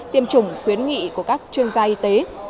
tiêm chủng khuyến nghị của các chuyên gia y tế